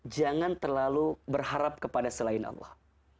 jangan terlalu berharap kepada selain allah